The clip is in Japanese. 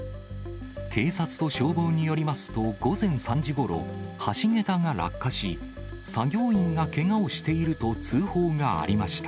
警察と消防によりますと、午前３時ごろ、橋桁が落下し、作業員がけがをしていると通報がありました。